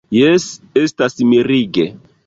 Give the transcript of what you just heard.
Jes, estas mirige.